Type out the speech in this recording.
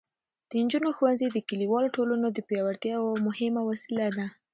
د نجونو ښوونځي د کلیوالو ټولنو د پیاوړتیا یوه مهمه وسیله ده.